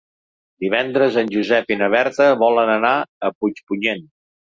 Divendres en Josep i na Berta volen anar a Puigpunyent.